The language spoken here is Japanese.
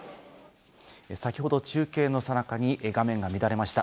先ほど中継のさなかに画面が乱れました。